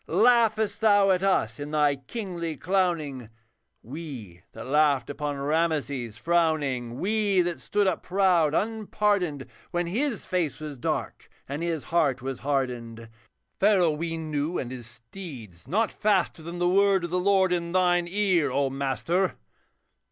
Laughest thou at us, in thy kingly clowning, We, that laughed upon Ramases frowning. We that stood up proud, unpardoned, When his face was dark and his heart was hardened? Pharaoh we knew and his steeds, not faster Than the word of the Lord in thine ear, O master.